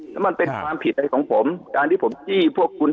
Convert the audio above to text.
แล้วมันเป็นความผิดอะไรของผมการที่ผมจี้พวกคุณ